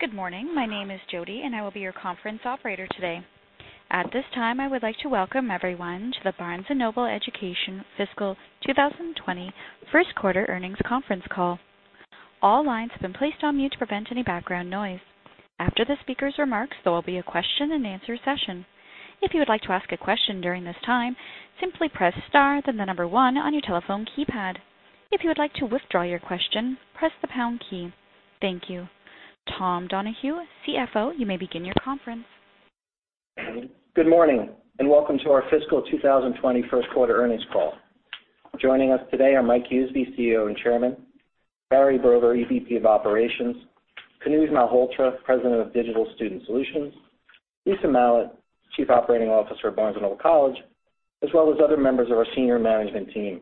Good morning. My name is Jody, and I will be your conference operator today. At this time, I would like to welcome everyone to the Barnes & Noble Education Fiscal 2020 First Quarter Earnings Conference Call. All lines have been placed on mute to prevent any background noise. After the speaker's remarks, there will be a question and answer session. If you would like to ask a question during this time, simply press star then the number one on your telephone keypad. If you would like to withdraw your question, press the pound key. Thank you. Tom Donohue, CFO, you may begin your conference. Good morning. Welcome to our Fiscal 2020 first quarter earnings call. Joining us today are Mike Huseby, CEO and Chairman, Barry Brover, EVP of Operations, Kanuj Malhotra, President of Digital Student Solutions, Lisa Malat, Chief Operating Officer of Barnes & Noble College, as well as other members of our senior management team.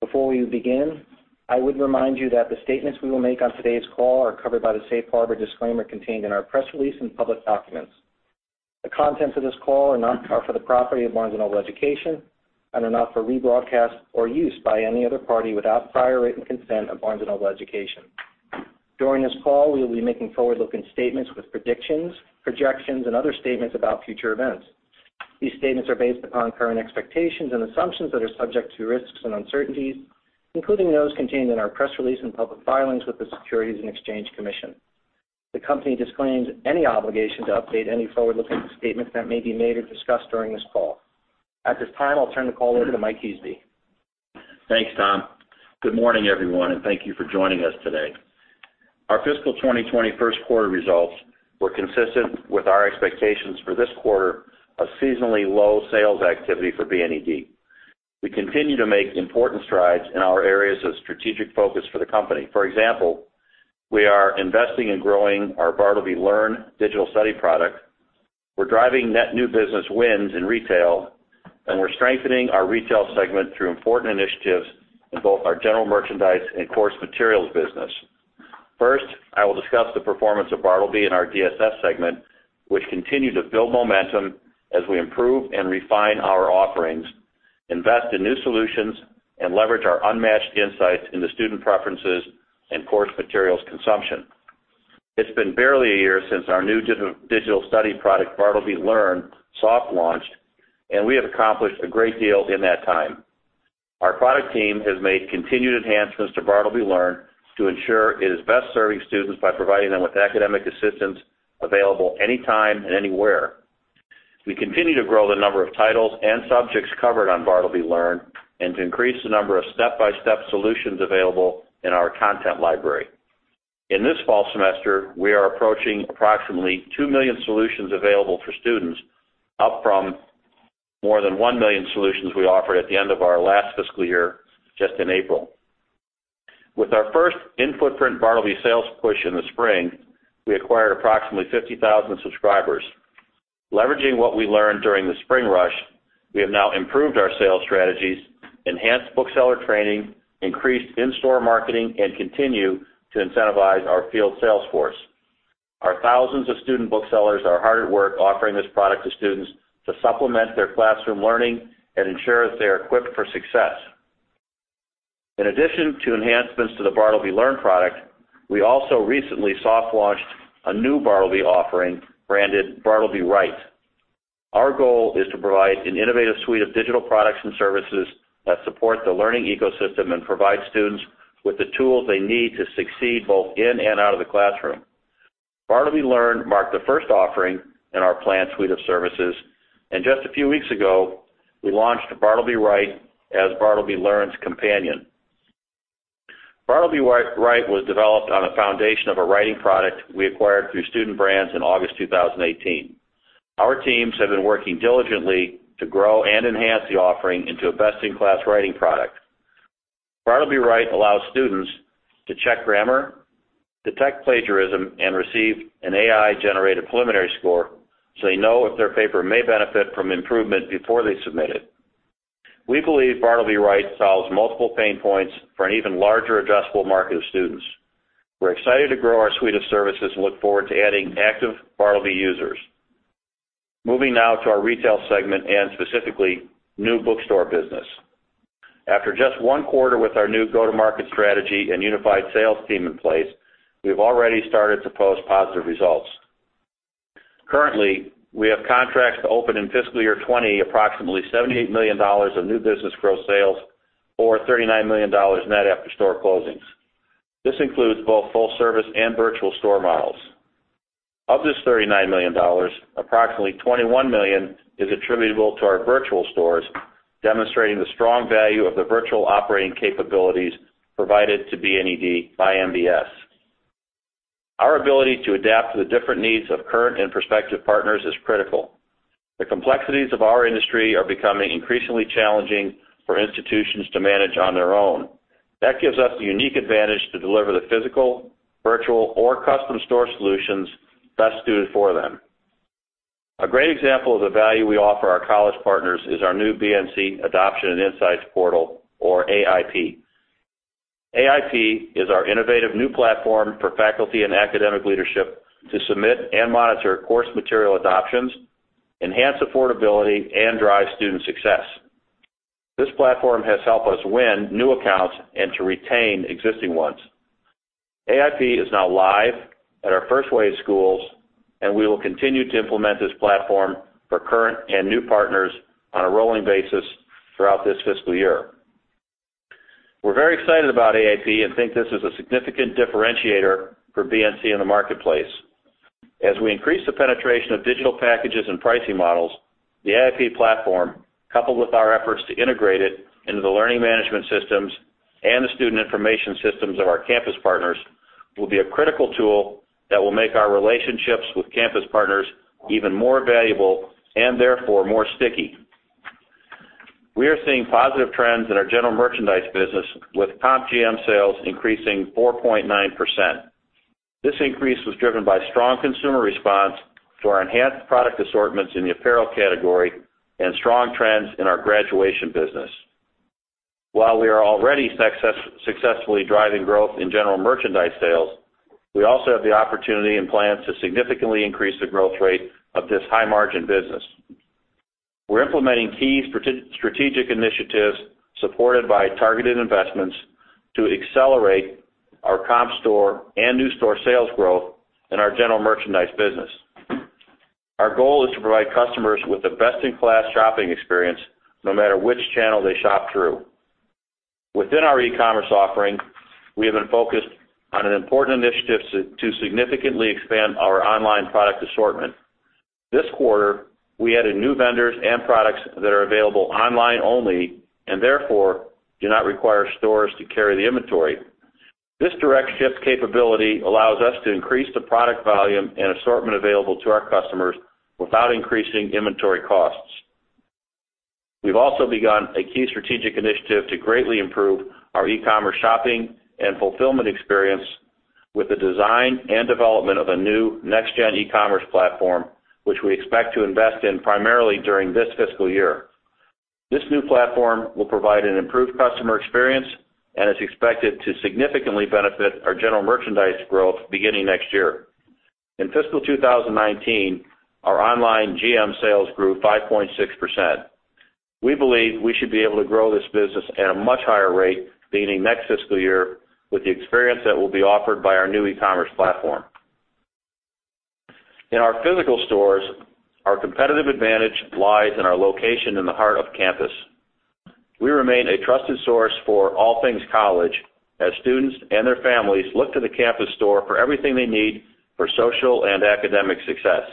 Before we begin, I would remind you that the statements we will make on today's call are covered by the safe harbor disclaimer contained in our press release and public documents. The contents of this call are for the property of Barnes & Noble Education and are not for rebroadcast or use by any other party without prior written consent of Barnes & Noble Education. During this call, we will be making forward-looking statements with predictions, projections, and other statements about future events. These statements are based upon current expectations and assumptions that are subject to risks and uncertainties, including those contained in our press release and public filings with the Securities and Exchange Commission. The company disclaims any obligation to update any forward-looking statements that may be made or discussed during this call. At this time, I'll turn the call over to Mike Huseby. Thanks, Tom. Good morning, everyone, thank you for joining us today. Our fiscal 2020 first quarter results were consistent with our expectations for this quarter of seasonally low sales activity for BNED. We continue to make important strides in our areas of strategic focus for the company. For example, we are investing in growing our Bartleby Learn digital study product, we're driving net new business wins in retail, we're strengthening our retail segment through important initiatives in both our general merchandise and course materials business. First, I will discuss the performance of Bartleby and our DSS segment, which continue to build momentum as we improve and refine our offerings, invest in new solutions, and leverage our unmatched insights into student preferences and course materials consumption. It's been barely a year since our new digital study product, Bartleby Learn, soft launched, and we have accomplished a great deal in that time. Our product team has made continued enhancements to Bartleby Learn to ensure it is best serving students by providing them with academic assistance available anytime and anywhere. We continue to grow the number of titles and subjects covered on Bartleby Learn and to increase the number of step-by-step solutions available in our content library. In this fall semester, we are approaching approximately 2 million solutions available for students, up from more than 1 million solutions we offered at the end of our last fiscal year just in April. With our first in-footprint Bartleby sales push in the spring, we acquired approximately 50,000 subscribers. Leveraging what we learned during the spring rush, we have now improved our sales strategies, enhanced bookseller training, increased in-store marketing, and continue to incentivize our field sales force. Our thousands of student booksellers are hard at work offering this product to students to supplement their classroom learning and ensure that they are equipped for success. In addition to enhancements to the Bartleby Learn product, we also recently soft launched a new Bartleby offering branded Bartleby Write. Our goal is to provide an innovative suite of digital products and services that support the learning ecosystem and provide students with the tools they need to succeed both in and out of the classroom. Bartleby Learn marked the first offering in our planned suite of services, and just a few weeks ago, we launched Bartleby Write as Bartleby Learn's companion. Bartleby Write was developed on a foundation of a writing product we acquired through Student Brands in August 2018. Our teams have been working diligently to grow and enhance the offering into a best-in-class writing product. Bartleby Write allows students to check grammar, detect plagiarism, and receive an AI-generated preliminary score so they know if their paper may benefit from improvement before they submit it. We believe Bartleby Write solves multiple pain points for an even larger addressable market of students. We're excited to grow our suite of services and look forward to adding active Bartleby users. Moving now to our retail segment and specifically new bookstore business. After just one quarter with our new go-to-market strategy and unified sales team in place, we have already started to post positive results. Currently, we have contracts to open in fiscal year 2020 approximately $78 million of new business gross sales or $39 million net after store closings. This includes both full-service and virtual store models. Of this $39 million, approximately $21 million is attributable to our virtual stores, demonstrating the strong value of the virtual operating capabilities provided to BNED by MBS. Our ability to adapt to the different needs of current and prospective partners is critical. The complexities of our industry are becoming increasingly challenging for institutions to manage on their own. That gives us a unique advantage to deliver the physical, virtual, or custom store solutions best suited for them. A great example of the value we offer our college partners is our new BNC Adoption and Insights Portal or AIP. AIP is our innovative new platform for faculty and academic leadership to submit and monitor course material adoptions, enhance affordability, and drive student success. This platform has helped us win new accounts and to retain existing ones. AIP is now live at our first wave schools, we will continue to implement this platform for current and new partners on a rolling basis throughout this fiscal year. We're very excited about AIP and think this is a significant differentiator for BNC in the marketplace. As we increase the penetration of digital packages and pricing models, the AIP platform, coupled with our efforts to integrate it into the learning management systems and the student information systems of our campus partners, will be a critical tool that will make our relationships with campus partners even more valuable and therefore more sticky. We are seeing positive trends in our general merchandise business with comp GM sales increasing 4.9%. This increase was driven by strong consumer response to our enhanced product assortments in the apparel category and strong trends in our graduation business. While we are already successfully driving growth in general merchandise sales, we also have the opportunity and plans to significantly increase the growth rate of this high-margin business. We're implementing key strategic initiatives supported by targeted investments to accelerate our comp store and new store sales growth in our general merchandise business. Our goal is to provide customers with the best-in-class shopping experience, no matter which channel they shop through. Within our e-commerce offering, we have been focused on an important initiative to significantly expand our online product assortment. This quarter, we added new vendors and products that are available online only and therefore do not require stores to carry the inventory. This direct ship capability allows us to increase the product volume and assortment available to our customers without increasing inventory costs. We've also begun a key strategic initiative to greatly improve our e-commerce shopping and fulfillment experience with the design and development of a new next-gen e-commerce platform, which we expect to invest in primarily during this fiscal year. This new platform will provide an improved customer experience and is expected to significantly benefit our general merchandise growth beginning next year. In fiscal 2019, our online GM sales grew 5.6%. We believe we should be able to grow this business at a much higher rate beginning next fiscal year with the experience that will be offered by our new e-commerce platform. In our physical stores, our competitive advantage lies in its location in the heart of campus. We remain a trusted source for all things college, as students and their families look to the campus store for everything they need for social and academic success.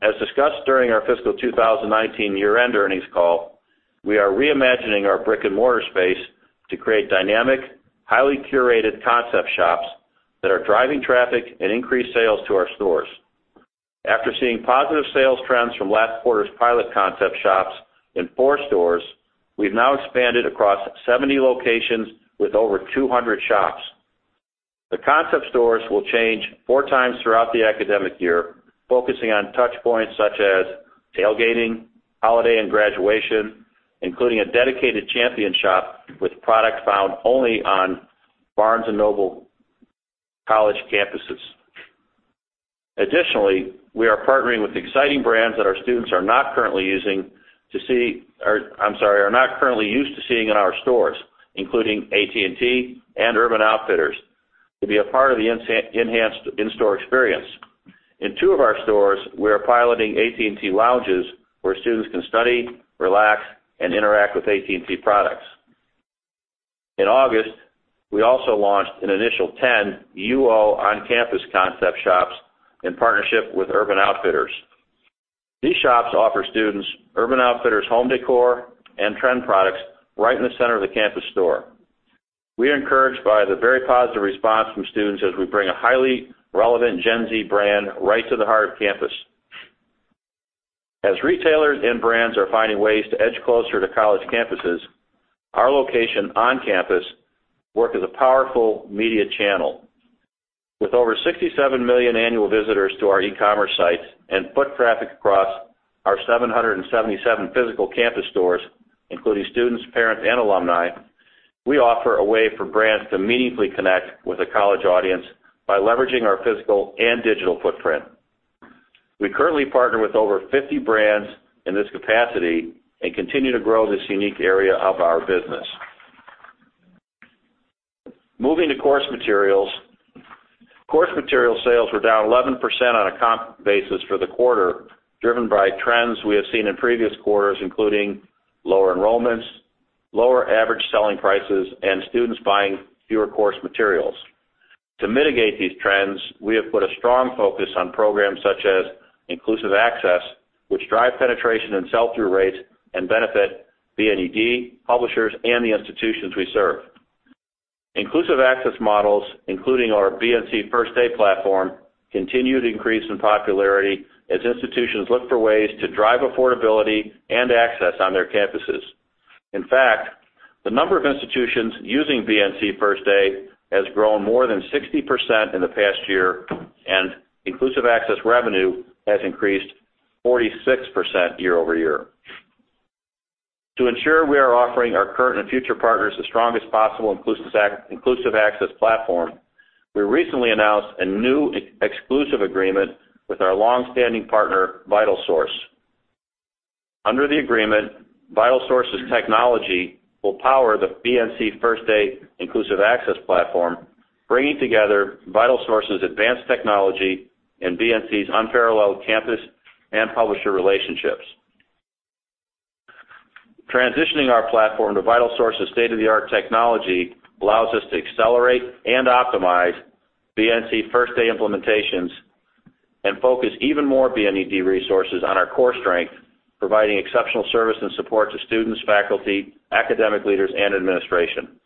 As discussed during our fiscal 2019 year-end earnings call, we are reimagining our brick-and-mortar space to create dynamic, highly curated concept shops that are driving traffic and increased sales to our stores. After seeing positive sales trends from last quarter's pilot concept shops in four stores, we've now expanded across 70 locations with over 200 shops. The concept stores will change four times throughout the academic year, focusing on touchpoints such as tailgating, holiday, and graduation, including a dedicated Champion shop with products found only on Barnes & Noble College campuses. Additionally, we are partnering with exciting brands that our students are not currently used to seeing in our stores, including AT&T and Urban Outfitters, to be a part of the enhanced in-store experience. In two of our stores, we are piloting AT&T lounges where students can study, relax, and interact with AT&T products. In August, we also launched an initial 10 UO on-campus concept shops in partnership with Urban Outfitters. These shops offer students Urban Outfitters home décor and trend products right in the center of the campus store. We are encouraged by the very positive response from students as we bring a highly relevant Gen Z brand right to the heart of campus. As retailers and brands are finding ways to edge closer to college campuses, our location on campus work as a powerful media channel. With over 67 million annual visitors to our e-commerce sites and foot traffic across our 777 physical campus stores, including students, parents, and alumni, we offer a way for brands to meaningfully connect with a college audience by leveraging our physical and digital footprint. We currently partner with over 50 brands in this capacity and continue to grow this unique area of our business. Moving to course materials. Course materials sales were down 11% on a comp basis for the quarter, driven by trends we have seen in previous quarters, including lower enrollments, lower average selling prices, and students buying fewer course materials. To mitigate these trends, we have put a strong focus on programs such as Inclusive Access, which drive penetration and sell-through rates and benefit BNED, publishers, and the institutions we serve. Inclusive Access models, including our BNC First Day platform, continue to increase in popularity as institutions look for ways to drive affordability and access on their campuses. In fact, the number of institutions using BNC First Day has grown more than 60% in the past year, and Inclusive Access revenue has increased 46% year-over-year. To ensure we are offering our current and future partners the strongest possible Inclusive Access platform. We recently announced a new exclusive agreement with our long-standing partner, VitalSource. Under the agreement, VitalSource's technology will power the BNC First Day Inclusive Access platform, bringing together VitalSource's advanced technology and BNC's unparalleled campus and publisher relationships. Transitioning our platform to VitalSource's state-of-the-art technology allows us to accelerate and optimize BNC First Day implementations and focus even more BNED resources on our core strength, providing exceptional service and support to students, faculty, academic leaders, and administration.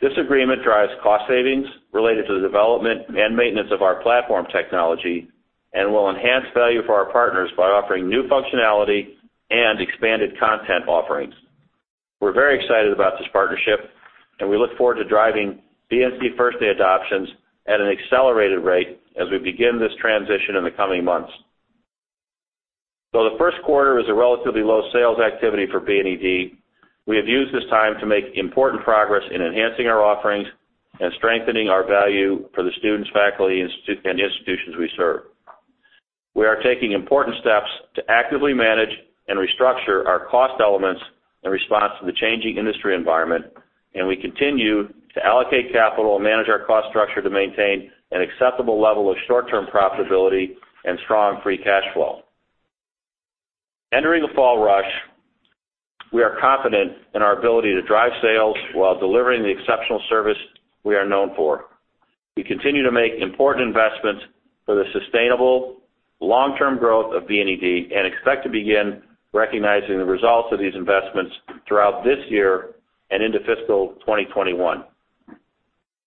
This agreement drives cost savings related to the development and maintenance of our platform technology and will enhance value for our partners by offering new functionality and expanded content offerings. We're very excited about this partnership, and we look forward to driving BNC First Day adoptions at an accelerated rate as we begin this transition in the coming months. Though the first quarter is a relatively low sales activity for BNED, we have used this time to make important progress in enhancing our offerings and strengthening our value for the students, faculty, and institutions we serve. We are taking important steps to actively manage and restructure our cost elements in response to the changing industry environment, and we continue to allocate capital and manage our cost structure to maintain an acceptable level of short-term profitability and strong free cash flow. Entering the fall rush, we are confident in our ability to drive sales while delivering the exceptional service we are known for. We continue to make important investments for the sustainable long-term growth of BNED and expect to begin recognizing the results of these investments throughout this year and into fiscal 2021.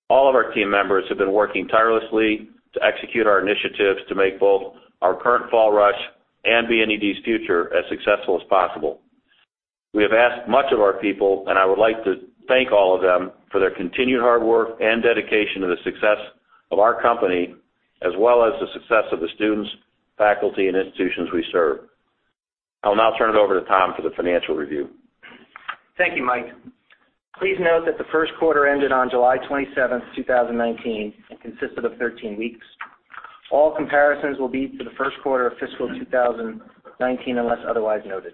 All of our team members have been working tirelessly to execute our initiatives to make both our current fall rush and BNED's future as successful as possible. We have asked much of our people, and I would like to thank all of them for their continued hard work and dedication to the success of our company, as well as the success of the students, faculty, and institutions we serve. I will now turn it over to Tom for the financial review. Thank you, Mike. Please note that the first quarter ended on July 27th, 2019, and consisted of 13 weeks. All comparisons will be to the first quarter of fiscal 2019, unless otherwise noted.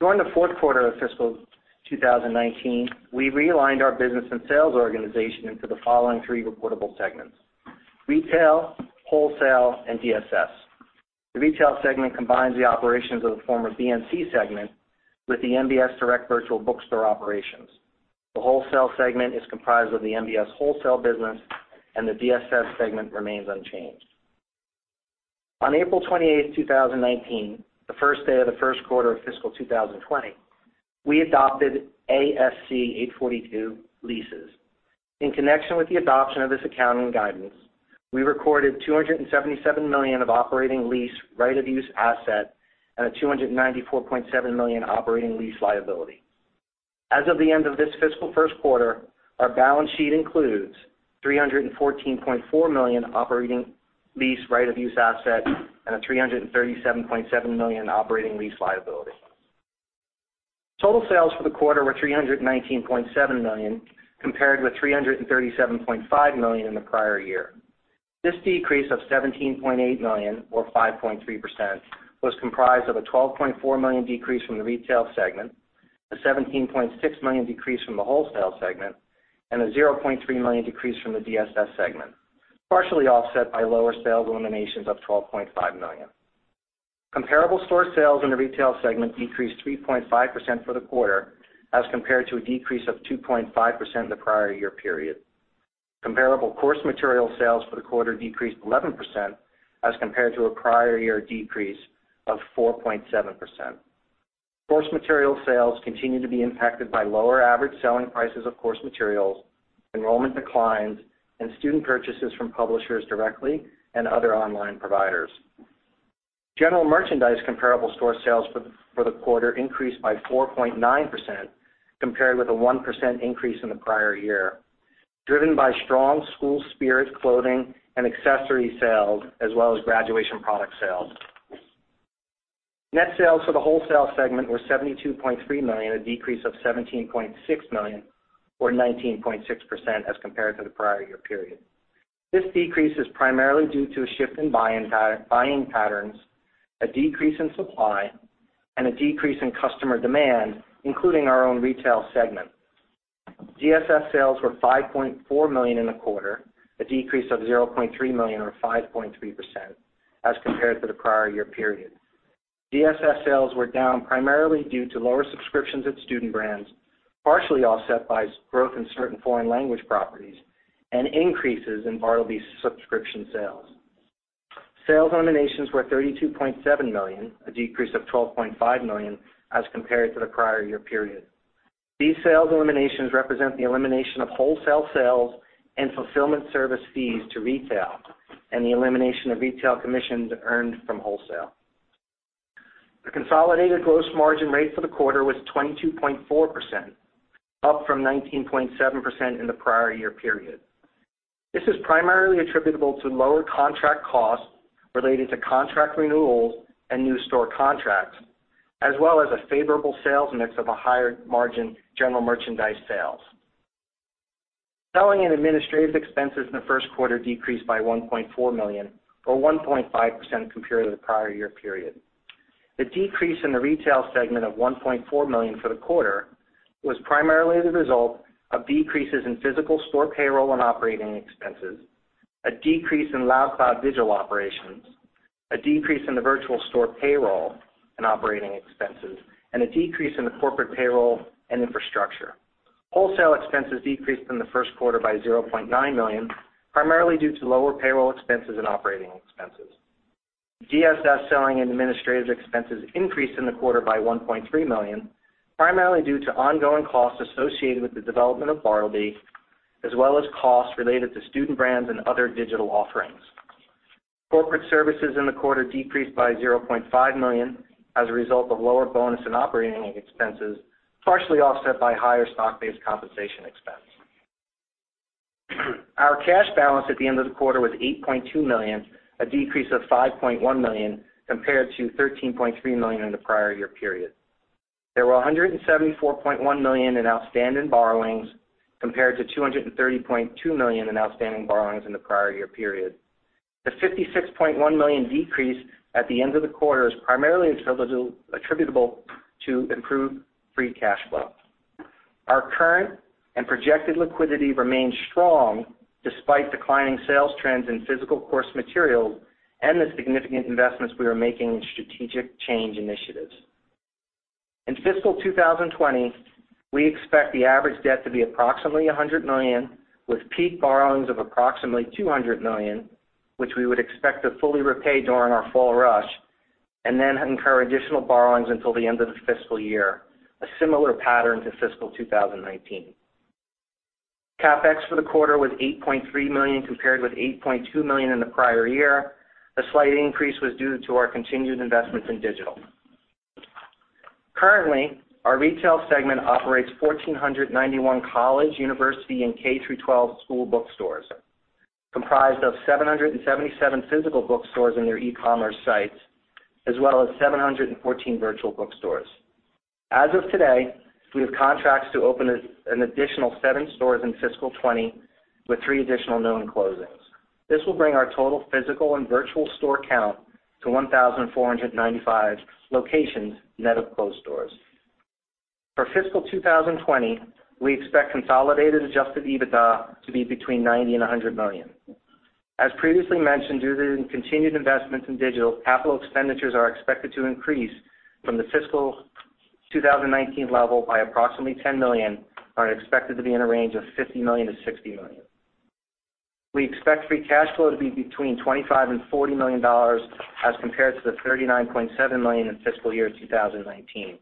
During the fourth quarter of fiscal 2019, we realigned our business and sales organization into the following three reportable segments: Retail, Wholesale, and DSS. The Retail segment combines the operations of the former BNC segment with the MBS Direct virtual bookstore operations. The Wholesale segment is comprised of the MBS wholesale business, and the DSS segment remains unchanged. On April 28th, 2019, the first day of the first quarter of fiscal 2020, we adopted ASC 842 leases. In connection with the adoption of this accounting guidance, we recorded $277 million of operating lease right-of-use asset and a $294.7 million operating lease liability. As of the end of this fiscal first quarter, our balance sheet includes $314.4 million operating lease right-of-use asset and a $337.7 million operating lease liability. Total sales for the quarter were $319.7 million, compared with $337.5 million in the prior year. This decrease of $17.8 million, or 5.3%, was comprised of a $12.4 million decrease from the Retail Segment, a $17.6 million decrease from the Wholesale Segment, and a $0.3 million decrease from the DSS Segment, partially offset by lower sales eliminations of $12.5 million. Comparable store sales in the Retail Segment decreased 3.5% for the quarter as compared to a decrease of 2.5% in the prior year period. Comparable course material sales for the quarter decreased 11%, as compared to a prior year decrease of 4.7%. Course material sales continue to be impacted by lower average selling prices of course materials, enrollment declines, and student purchases from publishers directly and other online providers. General merchandise comparable store sales for the quarter increased by 4.9%, compared with a 1% increase in the prior year, driven by strong school spirit clothing and accessory sales, as well as graduation product sales. Net sales for the wholesale segment were $72.3 million, a decrease of $17.6 million, or 19.6%, as compared to the prior year period. This decrease is primarily due to a shift in buying patterns, a decrease in supply, and a decrease in customer demand, including our own retail segment. DSS sales were $5.4 million in the quarter, a decrease of $0.3 million or 5.3%, as compared to the prior year period. DSS sales were down primarily due to lower subscriptions at Student Brands, partially offset by growth in certain foreign language properties and increases in Bartleby subscription sales. Sales eliminations were $32.7 million, a decrease of $12.5 million as compared to the prior year period. These sales eliminations represent the elimination of wholesale sales and fulfillment service fees to retail and the elimination of retail commissions earned from wholesale. The consolidated gross margin rate for the quarter was 22.4%, up from 19.7% in the prior year period. This is primarily attributable to lower contract costs related to contract renewals and new store contracts as well as a favorable sales mix of a higher margin general merchandise sales. Selling and administrative expenses in the first quarter decreased by $1.4 million, or 1.5% compared to the prior year period. The decrease in the retail segment of $1.4 million for the quarter was primarily the result of decreases in physical store payroll and operating expenses, a decrease in LoudCloud digital operations, a decrease in the virtual store payroll and operating expenses, and a decrease in the corporate payroll and infrastructure. Wholesale expenses decreased in the first quarter by $0.9 million, primarily due to lower payroll expenses and operating expenses. DSS selling and administrative expenses increased in the quarter by $1.3 million, primarily due to ongoing costs associated with the development of Bartleby, as well as costs related to Student Brands and other digital offerings. Corporate services in the quarter decreased by $0.5 million as a result of lower bonus and operating expenses, partially offset by higher stock-based compensation expense. Our cash balance at the end of the quarter was $8.2 million, a decrease of $5.1 million compared to $13.3 million in the prior year period. There were $174.1 million in outstanding borrowings, compared to $230.2 million in outstanding borrowings in the prior year period. The $56.1 million decrease at the end of the quarter is primarily attributable to improved free cash flow. Our current and projected liquidity remains strong despite declining sales trends in physical course materials and the significant investments we are making in strategic change initiatives. In fiscal 2020, we expect the average debt to be approximately $100 million, with peak borrowings of approximately $200 million, which we would expect to fully repay during our fall rush and then incur additional borrowings until the end of the fiscal year, a similar pattern to fiscal 2019. CapEx for the quarter was $8.3 million, compared with $8.2 million in the prior year. The slight increase was due to our continued investments in digital. Currently, our retail segment operates 1,491 college, university, and K-12 school bookstores, comprised of 777 physical bookstores and their e-commerce sites, as well as 714 virtual bookstores. As of today, we have contracts to open an additional seven stores in fiscal 2020, with three additional known closings. This will bring our total physical and virtual store count to 1,495 locations, net of closed stores. For fiscal 2020, we expect consolidated adjusted EBITDA to be between $90 million and $100 million. As previously mentioned, due to continued investments in digital, capital expenditures are expected to increase from the fiscal 2019 level by approximately $10 million, are expected to be in a range of $50 million-$60 million. We expect free cash flow to be between $25 million and $40 million, as compared to the $39.7 million in fiscal year 2019.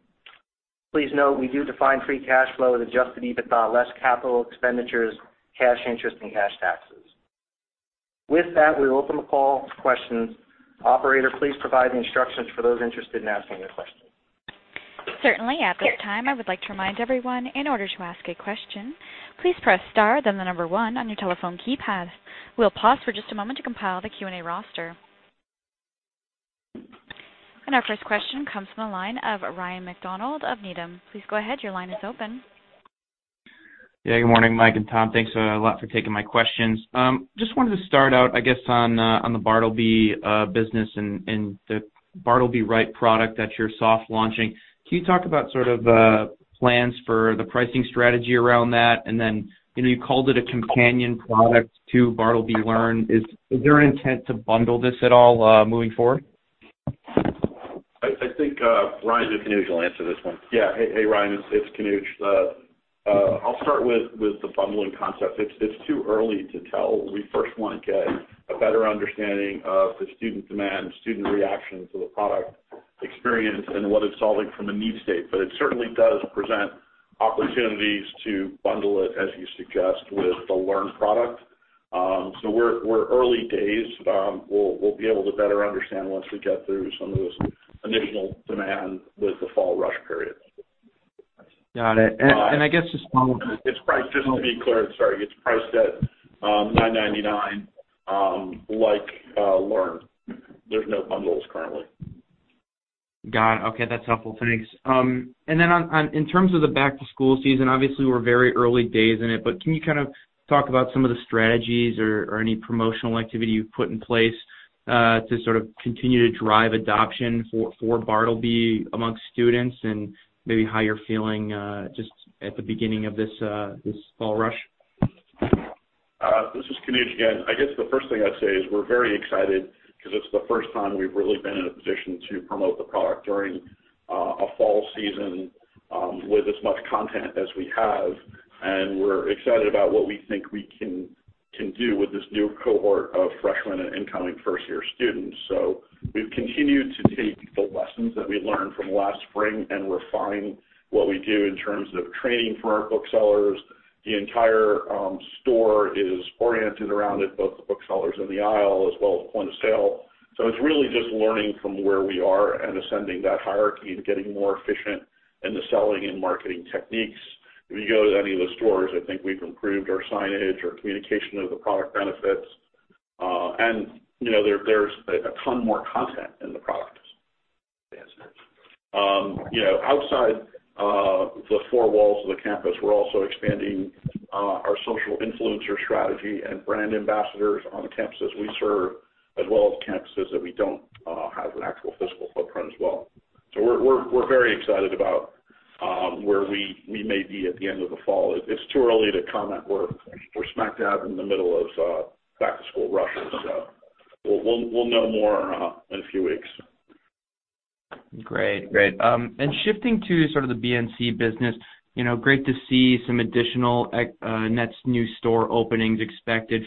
Please note, we do define free cash flow as adjusted EBITDA, less capital expenditures, cash interest, and cash taxes. With that, we open the call for questions. Operator, please provide the instructions for those interested in asking a question. Certainly. At this time, I would like to remind everyone, in order to ask a question, please press star then the number one on your telephone keypad. We'll pause for just a moment to compile the Q&A roster. Our first question comes from the line of Ryan MacDonald of Needham. Please go ahead, your line is open. Yeah, good morning, Mike and Tom. Thanks a lot for taking my questions. Just wanted to start out, I guess, on the Bartleby business and the Bartleby Write product that you're soft launching. Can you talk about sort of plans for the pricing strategy around that? Then, you called it a companion product to Bartleby Learn. Is there an intent to bundle this at all moving forward? I think Ryan or Kanuj will answer this one. Yeah. Hey, Ryan. It's Kanuj. I'll start with the bundling concept. It's too early to tell. We first want to get a better understanding of the student demand, student reaction to the product experience, and what it's solving from a need state. It certainly does present opportunities to bundle it, as you suggest, with the Bartleby Learn product. We're early days. We'll be able to better understand once we get through some of this initial demand with the fall rush period. Got it. Just to be clear, sorry. It's priced at $9.99, like Learn. There's no bundles currently. Got it. Okay. That's helpful. Thanks. In terms of the back-to-school season, obviously we're very early days in it, but can you kind of talk about some of the strategies or any promotional activity you've put in place to sort of continue to drive adoption for Bartleby amongst students and maybe how you're feeling just at the beginning of this fall rush? This is Kanuj again. I guess the first thing I'd say is we're very excited because it's the first time we've really been in a position to promote the product during a fall season with as much content as we have. We're excited about what we think we can do with this new cohort of freshmen and incoming first-year students. We've continued to take the lessons that we learned from last spring and refine what we do in terms of training for our booksellers. The entire store is oriented around it, both the booksellers in the aisle as well as point of sale. It's really just learning from where we are and ascending that hierarchy and getting more efficient in the selling and marketing techniques. If you go to any of the stores, I think we've improved our signage, our communication of the product benefits There's a ton more content in the products. Outside the four walls of the campus, we're also expanding our social influencer strategy and brand ambassadors on the campuses we serve, as well as campuses that we don't have an actual physical footprint as well. We're very excited about where we may be at the end of the fall. It's too early to comment. We're smack dab in the middle of back-to-school rushes, we'll know more in a few weeks. Great. Shifting to sort of the BNC business, great to see some additional net new store openings expected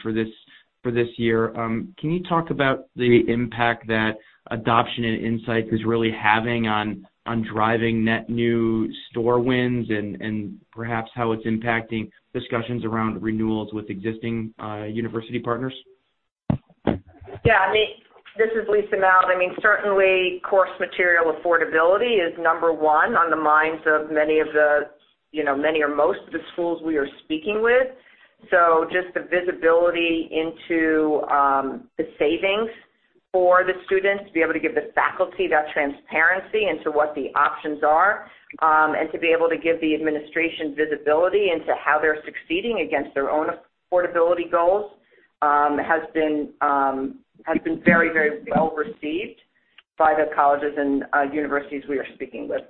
for this year. Can you talk about the impact that Adoption and Insights is really having on driving net new store wins and perhaps how it's impacting discussions around renewals with existing university partners? Yeah. This is Lisa Malat. Certainly, course material affordability is number 1 on the minds of many or most of the schools we are speaking with. Just the visibility into the savings for the students to be able to give the faculty that transparency into what the options are, and to be able to give the administration visibility into how they're succeeding against their own affordability goals, has been very well received by the colleges and universities we are speaking with.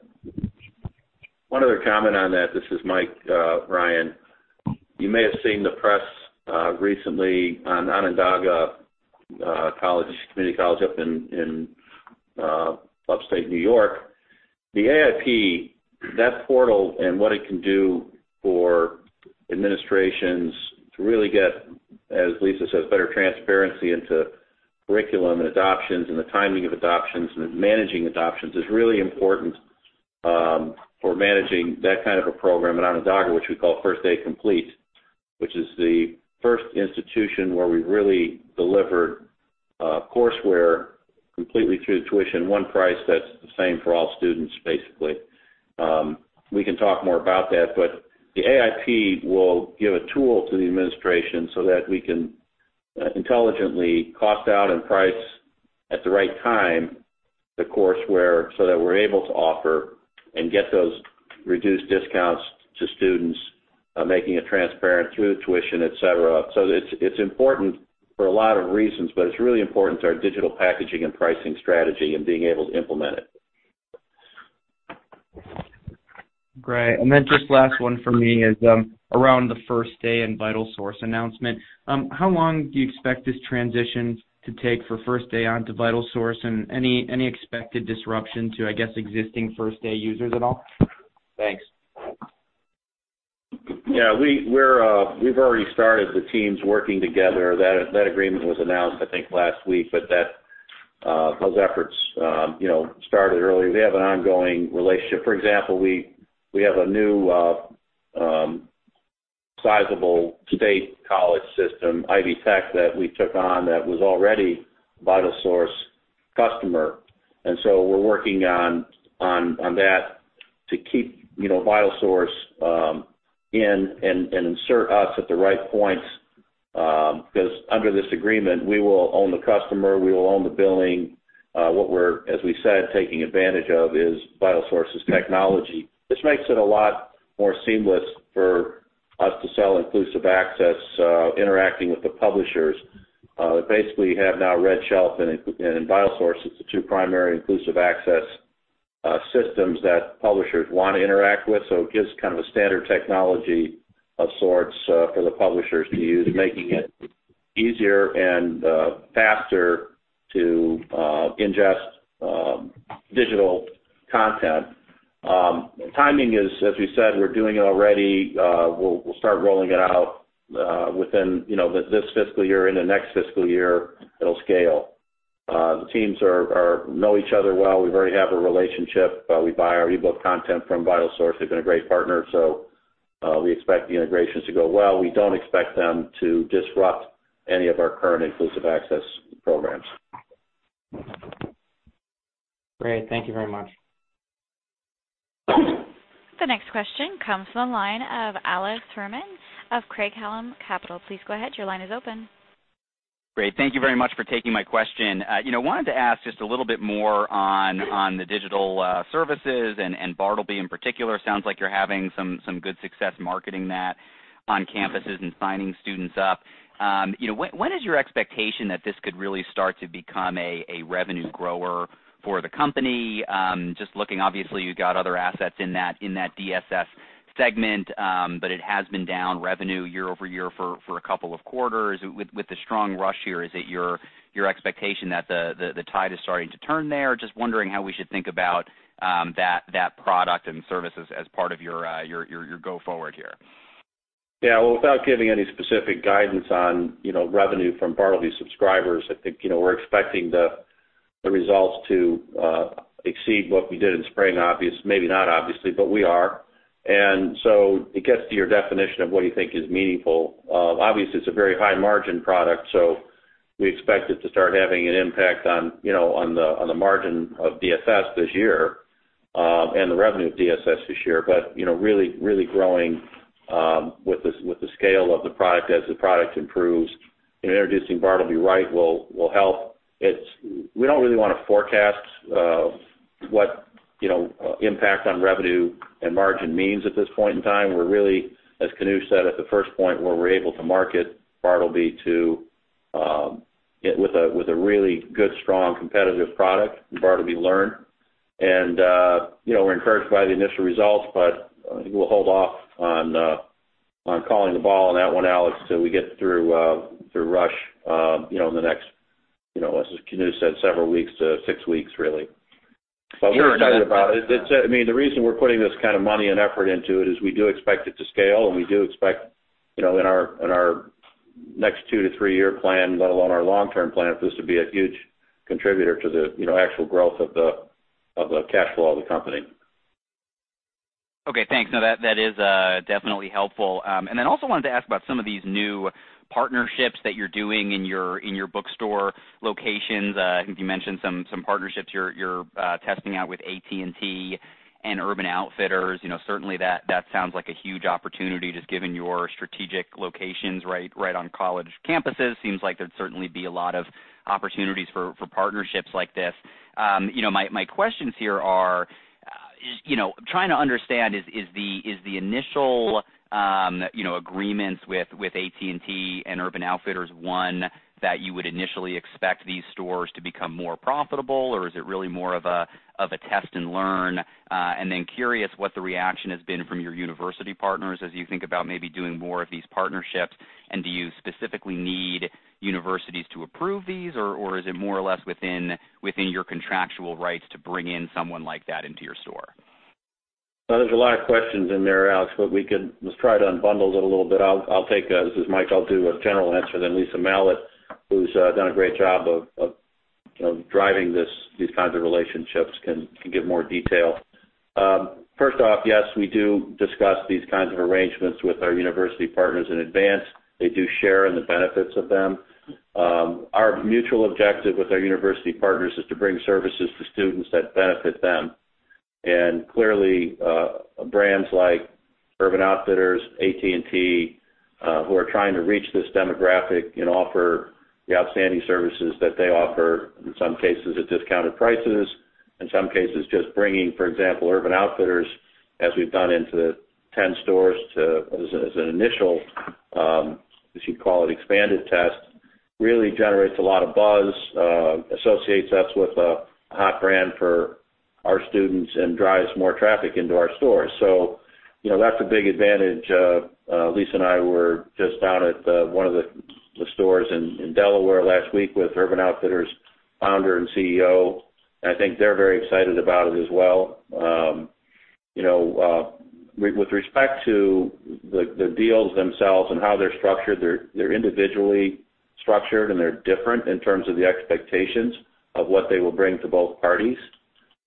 One other comment on that. This is Mike Huseby. You may have seen the press recently on Onondaga Community College up in upstate New York. The AIP, that portal and what it can do for administrations to really get, as Lisa says, better transparency into curriculum and adoptions and the timing of adoptions and managing adoptions is really important for managing that kind of a program at Onondaga, which we call First Day Complete, which is the first institution where we really delivered courseware completely through tuition, one price that's the same for all students, basically. We can talk more about that. The AIP will give a tool to the administration so that we can intelligently cost out and price at the right time the courseware so that we're able to offer and get those reduced discounts to students, making it transparent through the tuition, et cetera. It's important for a lot of reasons, but it's really important to our digital packaging and pricing strategy and being able to implement it. Great. Just last one for me is around the First Day and VitalSource announcement. How long do you expect this transition to take for First Day onto VitalSource and any expected disruption to, I guess, existing First Day users at all? Thanks. We've already started the teams working together. That agreement was announced last week. Those efforts started earlier. We have an ongoing relationship. For example, we have a new sizable state college system, Ivy Tech, that we took on that was already a VitalSource customer. We're working on that to keep VitalSource in and insert us at the right points, because under this agreement, we will own the customer, we will own the billing. What we're, as we said, taking advantage of is VitalSource's technology. This makes it a lot more seamless for us to sell Inclusive Access, interacting with the publishers that basically have now RedShelf and VitalSource. It's the two primary Inclusive Access systems that publishers want to interact with. It gives kind of a standard technology of sorts for the publishers to use, making it easier and faster to ingest digital content. Timing is, as we said, we're doing it already. We'll start rolling it out within this fiscal year. In the next fiscal year, it'll scale. The teams know each other well. We already have a relationship. We buy our e-book content from VitalSource. They've been a great partner. We expect the integrations to go well. We don't expect them to disrupt any of our current Inclusive Access programs. Great. Thank you very much. The next question comes from the line of Alex Fuhrman of Craig-Hallum Capital. Please go ahead. Your line is open. Great. Thank you very much for taking my question. I wanted to ask just a little bit more on the digital services and Bartleby in particular. Sounds like you're having some good success marketing that on campuses and signing students up. When is your expectation that this could really start to become a revenue grower for the company? Just looking, obviously, you've got other assets in that DSS segment, but it has been down revenue year-over-year for a couple of quarters. With the strong rush here, is it your expectation that the tide is starting to turn there? Just wondering how we should think about that product and services as part of your go forward here. Well, without giving any specific guidance on revenue from Bartleby subscribers, I think we're expecting the results to exceed what we did in spring, obviously, maybe not obviously, but we are. It gets to your definition of what you think is meaningful. Obviously, it's a very high-margin product, so we expect it to start having an impact on the margin of DSS this year, and the revenue at DSS this year, really growing with the scale of the product as the product improves and introducing Bartleby Write will help. We don't really want to forecast what impact on revenue and margin means at this point in time. We're really, as Kanuj said, at the first point where we're able to market Bartleby with a really good, strong competitive product, Bartleby Learn. We're encouraged by the initial results, but I think we'll hold off on calling the ball on that one, Alex, till we get through rush in the next, as Kanuj said, several weeks to six weeks really. We're excited about it. I mean, the reason we're putting this kind of money and effort into it is we do expect it to scale, and we do expect in our next two to three-year plan, let alone our long-term plan, for this to be a huge contributor to the actual growth of the cash flow of the company. Okay, thanks. No, that is definitely helpful. Also wanted to ask about some of these new partnerships that you're doing in your bookstore locations. I think you mentioned some partnerships you're testing out with AT&T and Urban Outfitters. Certainly that sounds like a huge opportunity just given your strategic locations right on college campuses. Seems like there'd certainly be a lot of opportunities for partnerships like this. My questions here are trying to understand is the initial agreements with AT&T and Urban Outfitters one that you would initially expect these stores to become more profitable or is it really more of a test and learn? Curious what the reaction has been from your university partners as you think about maybe doing more of these partnerships and do you specifically need universities to approve these or is it more or less within your contractual rights to bring in someone like that into your store? There's a lot of questions in there, Alex, let's try to unbundle it a little bit. This is Mike, I'll do a general answer then Lisa Malat, who's done a great job of driving these kinds of relationships can give more detail. First off, yes, we do discuss these kinds of arrangements with our university partners in advance. They do share in the benefits of them. Our mutual objective with our university partners is to bring services to students that benefit them. Clearly, brands like Urban Outfitters, AT&T, who are trying to reach this demographic and offer the outstanding services that they offer, in some cases at discounted prices, in some cases just bringing, for example, Urban Outfitters, as we've done into 10 stores as an initial, as you'd call it, expanded test, really generates a lot of buzz, associates us with a hot brand for our students and drives more traffic into our stores. That's a big advantage. Lisa and I were just down at one of the stores in Delaware last week with Urban Outfitters founder and CEO, and I think they're very excited about it as well. With respect to the deals themselves and how they're structured, they're individually structured and they're different in terms of the expectations of what they will bring to both parties.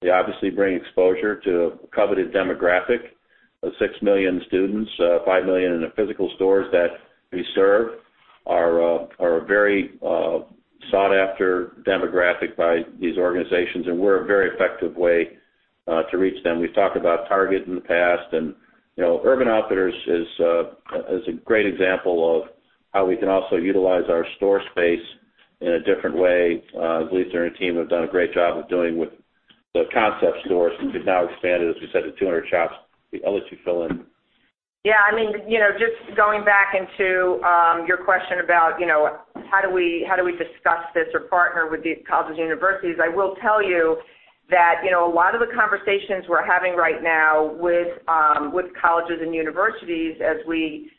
They obviously bring exposure to a coveted demographic of 6 million students, 5 million in the physical stores that we serve are a very sought-after demographic by these organizations, and we're a very effective way to reach them. We've talked about Target in the past and Urban Outfitters is a great example of how we can also utilize our store space in a different way. Lisa and her team have done a great job of doing with the concept stores. We've now expanded, as we said, to 200 shops. I'll let you fill in. Just going back into your question about how do we discuss this or partner with these colleges and universities? I will tell you that a lot of the conversations we're having right now with colleges and universities as we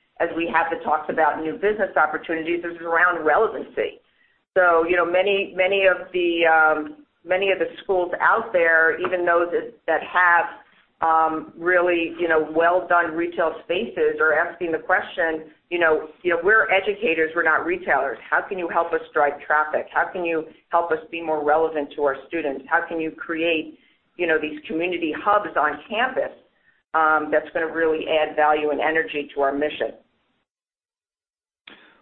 have the talks about new business opportunities is around relevancy. Many of the schools out there, even those that have really well-done retail spaces are asking the question, "We're educators, we're not retailers. How can you help us drive traffic? How can you help us be more relevant to our students? How can you create these community hubs on campus that's going to really add value and energy to our mission?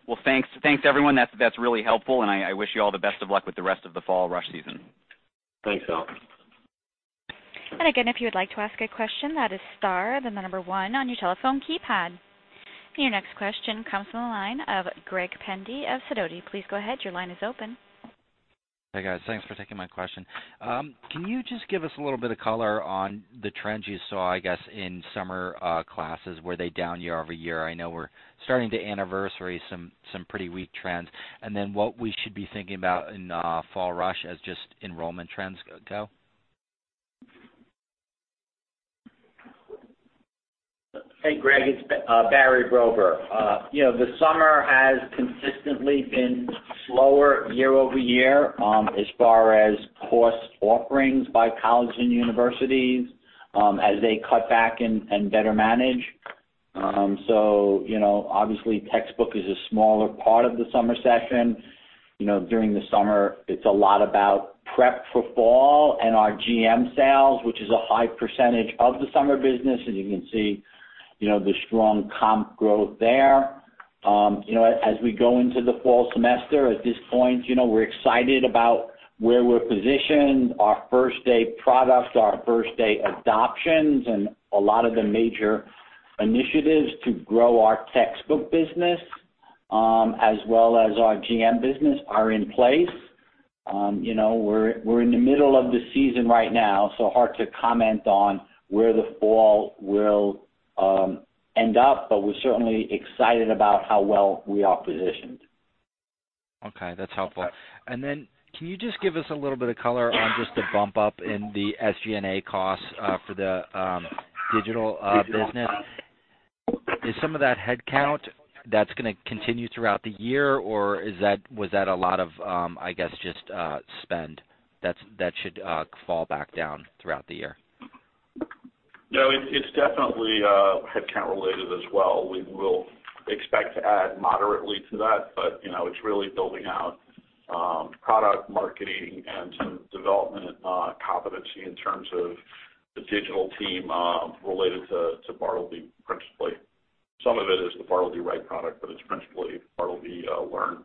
Well, thanks everyone. That's really helpful and I wish you all the best of luck with the rest of the fall rush season. Thanks, Alex. Again, if you would like to ask a question, that is star, then the number one on your telephone keypad. Your next question comes from the line of Greg Pendy of Sidoti. Please go ahead, your line is open. Hey, guys. Thanks for taking my question. Can you just give us a little bit of color on the trends you saw, I guess, in summer classes? Were they down year-over-year? I know we're starting to anniversary some pretty weak trends, and then what we should be thinking about in fall rush as just enrollment trends go? Hey, Greg. It's Barry Brover. The summer has consistently been slower year-over-year as far as course offerings by college and universities as they cut back and better manage. Obviously, textbook is a smaller part of the summer session. During the summer, it's a lot about prep for fall and our GM sales, which is a high percentage of the summer business, as you can see the strong comp growth there. As we go into the fall semester, at this point, we're excited about where we're positioned, our First Day products, our First Day adoptions, and a lot of the major initiatives to grow our textbook business, as well as our GM business are in place. We're in the middle of the season right now, so hard to comment on where the fall will end up, but we're certainly excited about how well we are positioned. Okay, that's helpful. Then can you just give us a little bit of color on just the bump up in the SG&A costs for the digital business? Is some of that headcount that's going to continue throughout the year, or was that a lot of just spend that should fall back down throughout the year? No, it's definitely headcount related as well. We will expect to add moderately to that. It's really building out product marketing and some development competency in terms of the digital team related to Bartleby principally. Some of it is the Bartleby Write product, but it's principally Bartleby Learn.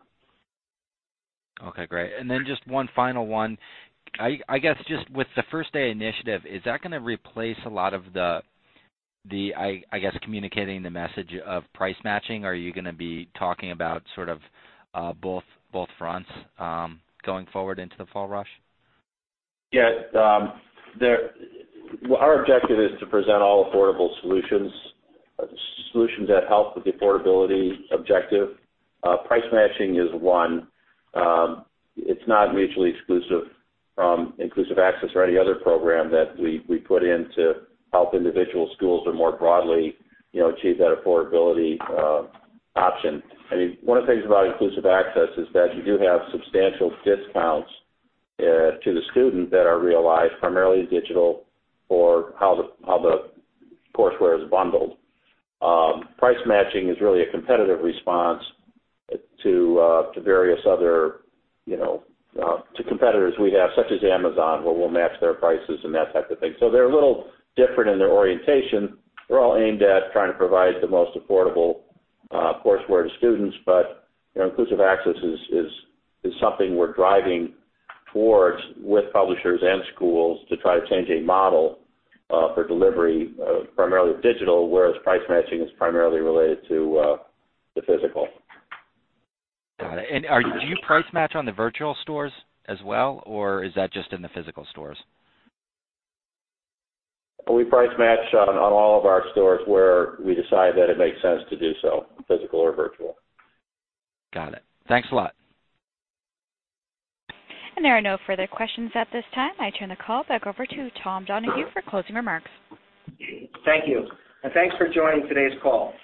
Okay, great. Just one final one. I guess just with the First Day initiative, is that going to replace a lot of the communicating the message of price matching? Are you going to be talking about both fronts going forward into the fall rush? Our objective is to present all affordable solutions. Solutions that help with the affordability objective. Price matching is one. It's not mutually exclusive from Inclusive Access or any other program that we put in to help individual schools or more broadly achieve that affordability option. One of the things about Inclusive Access is that you do have substantial discounts to the student that are realized primarily digital for how the courseware is bundled. Price matching is really a competitive response to competitors we have, such as Amazon, where we'll match their prices and that type of thing. They're a little different in their orientation. They're all aimed at trying to provide the most affordable courseware to students. Inclusive Access is something we're driving towards with publishers and schools to try to change a model for delivery of primarily digital, whereas price matching is primarily related to the physical. Got it. Do you price match on the virtual stores as well, or is that just in the physical stores? We price match on all of our stores where we decide that it makes sense to do so, physical or virtual. Got it. Thanks a lot. There are no further questions at this time. I turn the call back over to Tom Donohue for closing remarks. Thank you. Thanks for joining today's call.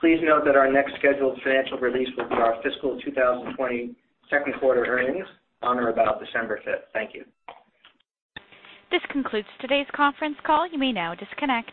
Please note that our next scheduled financial release will be our fiscal 2020 second quarter earnings on or about December 5th. Thank you. This concludes today's conference call. You may now disconnect.